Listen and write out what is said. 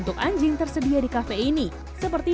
untuk anjing tersedia di kafe ini seperti